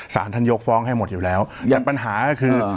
สารท่านยกฟ้องให้หมดอยู่แล้วอย่างปัญหาก็คือ